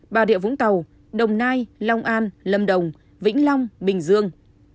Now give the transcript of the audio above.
bà địa vũng tàu đồng nai long an lâm đồng vĩnh long bình dương